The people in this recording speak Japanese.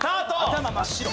頭真っ白。